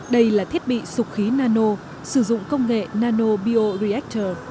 đây là thiết bị sục khí nano sử dụng công nghệ nano bio reactor